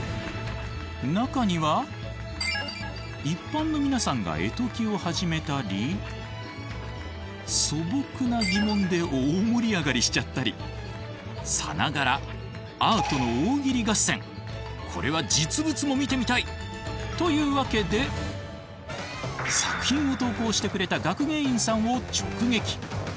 中には一般の皆さんが絵解きを始めたり素朴な疑問で大盛り上がりしちゃったりさながらこれは実物も見てみたい！というわけで作品を投稿してくれた学芸員さんを直撃！